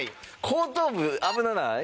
後頭部危なくない？